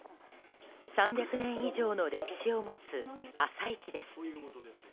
３００年以上の歴史を持つ朝市です。